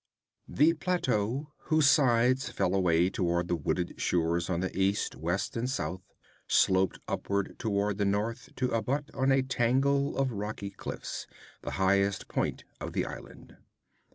The plateau, whose sides fell away toward the wooded shores on the east, west and south, sloped upward toward the north to abut on a tangle of rocky cliffs, the highest point of the island.